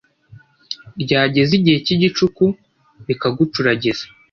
ryageza igihe k’igicuku rikagucuragiza,